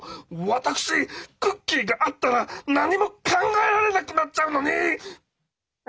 私クッキーがあったら何も考えられなくなっちゃうのに！